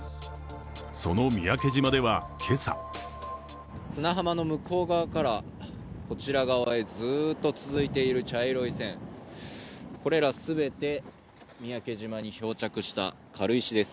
その三宅島では、今朝砂浜の向こう側からこちら側へずっと続いている茶色い線、これらすべて三宅島に漂着した軽石です。